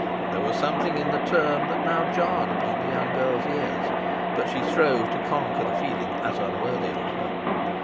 There was something in the term that now jarred upon the young girl's ears, but she strove to conquer the feeling, as unworthy of her.